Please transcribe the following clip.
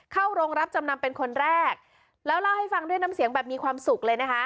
เข้าโรงรับจำนำเป็นคนแรกแล้วเล่าให้ฟังด้วยน้ำเสียงแบบมีความสุขเลยนะคะ